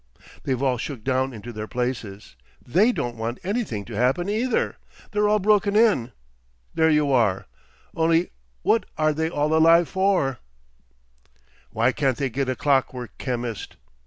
They've all shook down into their places. They don't want anything to happen either. They're all broken in. There you are! Only what are they all alive for?... "Why can't they get a clockwork chemist?"